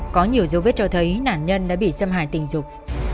có nhiều dấu vết cho thấy nạn nhân đã bị xâm hại tình dục